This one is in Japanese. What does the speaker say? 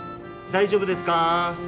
大丈夫ですか？